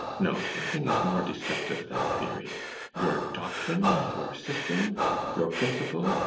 no: nothing is more deceptive than theory. Your doctrine? your system? your principle?